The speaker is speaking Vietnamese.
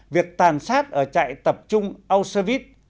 việc tàn sát ở chạy tập trung auschwitz